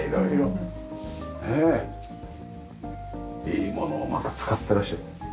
いいものをまた使ってらっしゃる。